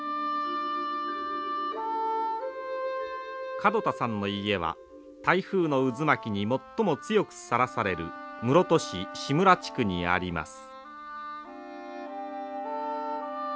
門田さんの家は台風の渦巻きに最も強くさらされる室戸市新村地区にあります。